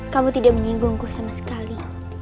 kamu tidak menyinggungku sama sekali